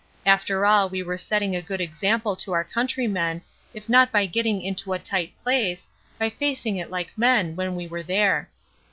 After all we are setting a good example to our countrymen, if not by getting into a tight place, by facing it like men when we were there.